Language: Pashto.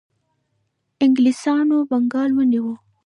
انګلیسانو بنګال ونیو.